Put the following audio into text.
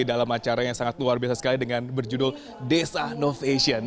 dalam acara yang sangat luar biasa sekali dengan berjudul desa novation